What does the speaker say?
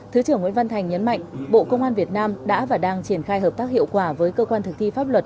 thứ trưởng nguyễn văn thành nhấn mạnh bộ công an việt nam đã và đang triển khai hợp tác hiệu quả với cơ quan thực thi pháp luật